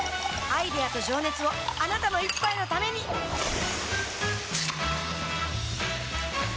アイデアと情熱をあなたの一杯のためにプシュッ！